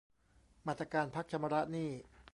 มาตรการพักชำระหนี้